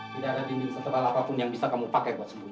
tidak ada jendela setebal apapun yang bisa kamu pakai untuk sembunyi